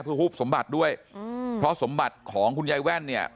เพื่อฮุบสมบัติด้วยอืมเพราะสมบัติของคุณยายแว่นเนี่ย